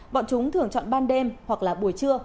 bọn chúng thường chọn ban đêm hoặc là buổi trưa